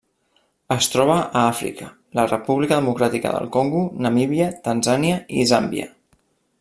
Es troba a Àfrica: la República Democràtica del Congo, Namíbia, Tanzània i Zàmbia.